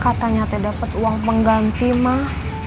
katanya saya dapat uang pengganti mah